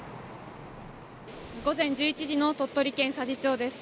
午前１１時の鳥取県佐治町です。